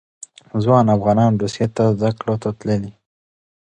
ځوان افغانان روسیې ته زده کړو ته تللي.